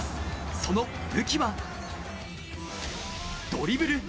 その武器はドリブル。